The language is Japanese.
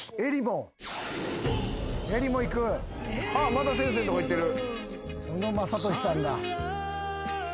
また先生んとこ行ってる！